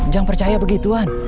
jangan percaya begituan